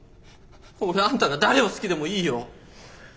俺あんたが誰を好きでもいいよ。